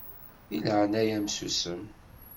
Di leɛnaya-m susem.